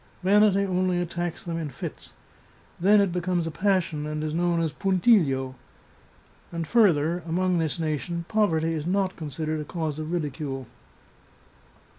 Vanity only attacks them in fits. Then it be comes a passion, and is known as puntiglio. And, further, among this nation poverty is not considered a cause of ridicule.